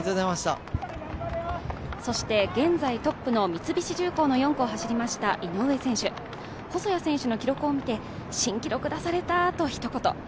そして現在トップの三菱重工の井上選手、細谷選手の記録を見て新記録出されたとひと言。